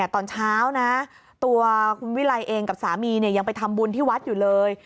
ตอนเช้านะตัวคุณวิไลเองกับสามียังไปทำบุญที่วัดอยู่เลย